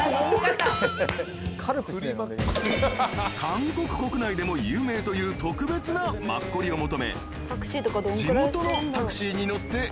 ［韓国国内でも有名という特別なマッコリを求め地元のタクシーに乗って移動］